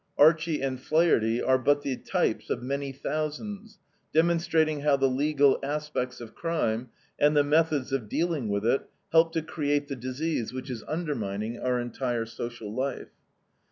Archie and Flaherty are but the types of many thousands, demonstrating how the legal aspects of crime, and the methods of dealing with it, help to create the disease which is undermining our entire social life.